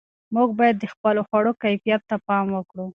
موږ باید د خپلو خوړو کیفیت ته پام وکړو.